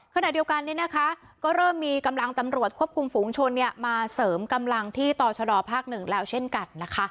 ขณะเดียวกันก็เริ่มมีกำลังตำรวจควบคุมฝูงชนมาเสริมกำลังที่ต่อชะดอภาค๑แล้วเช่นกันนะคะ